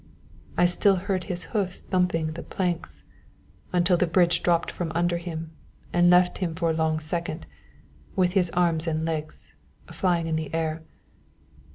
I still heard his hoofs thumping the planks, until the bridge dropped from under him and left him for a long second with his arms and legs flying in the air.